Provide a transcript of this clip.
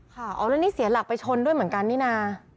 ค่ะเอาเรื่องนี้เสียหลักไปชนด้วยเหมือนกันนี่นะ